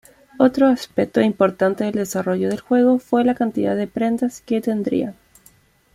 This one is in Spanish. Otro aspecto importante del desarrollo del juego fue la cantidad de prendas que tendría.